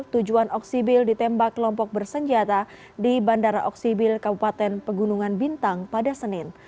tujuan oksibil ditembak kelompok bersenjata di bandara oksibil kabupaten pegunungan bintang pada senin